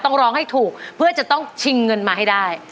ต้องร้องให้ถูกเพื่อจะต้องชิงเงินมาให้ได้